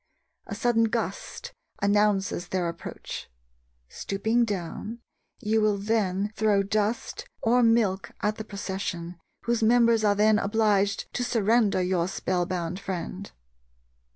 A sudden gust announces their approach. Stooping down, you will then throw dust or milk at the procession, whose members are then obliged to surrender your spell bound friend.